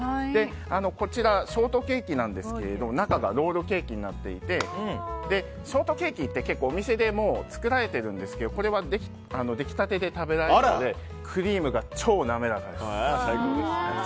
こちらショートケーキなんですが中がロールケーキになっていてショートケーキって結構お店でも作られているんですけどこれは出来たてで食べられるのでクリームが超滑らかです。